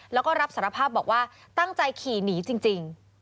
แล้วก็รับสารภาพบอกว่าตั้งใจขี่หนีจริง